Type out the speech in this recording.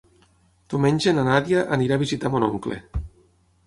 Diumenge na Nàdia anirà a visitar mon oncle.